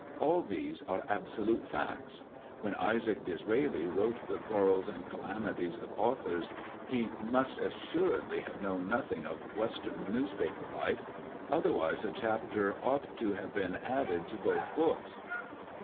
All these are absolute facts. When Isaac Disraeli wrote the Quarrels and Calamities of Authors, he must assuredly have known nothing of wes tern newspaper life, otherwise a chapter ought to have been added to both books.